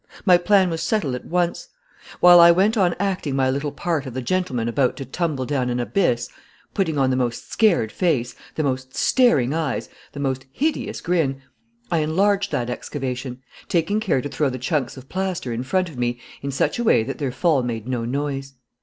My plan was settled at once. While I went on acting my little part of the gentleman about to tumble down an abyss, putting on the most scared face, the most staring eyes, the most hideous grin, I enlarged that excavation, taking care to throw the chunks of plaster in front of me in such a way that their fall made no noise.